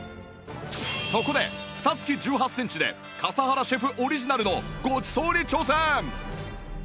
そこで蓋付き１８センチで笠原シェフオリジナルのごちそうに挑戦！